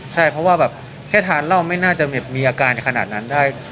ใช่เพราะว่าแบบแค่ทานเหล้าไม่น่าจะมีอาการขนาดนั้นได้